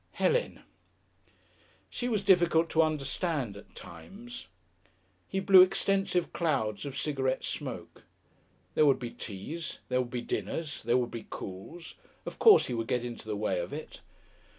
Helen! She was difficult to understand at times. He blew extensive clouds of cigarette smoke. There would be teas, there would be dinners, there would be calls. Of course he would get into the way of it.